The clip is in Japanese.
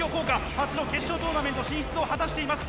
初の決勝トーナメント進出を果たしています。